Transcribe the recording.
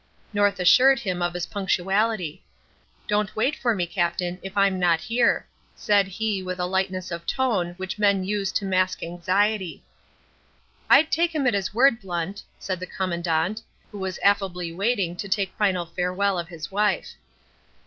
North assured him of his punctuality. "Don't wait for me, Captain, if I'm not here," said he with the lightness of tone which men use to mask anxiety. "I'd take him at his word, Blunt," said the Commandant, who was affably waiting to take final farewell of his wife.